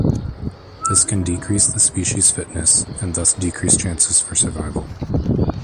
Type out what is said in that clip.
This can decrease the species fitness and thus decrease chances for survival.